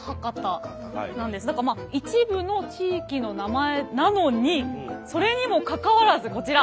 だからまあ一部の地域の名前なのにそれにもかかわらずこちら。